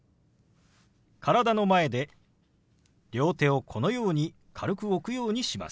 体の前で両手をこのように軽く置くようにします。